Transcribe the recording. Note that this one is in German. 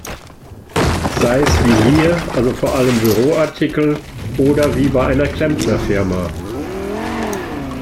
Sei's wie hier, also vor allem Büroartikel, oder wie bei einer Klempnerfirma.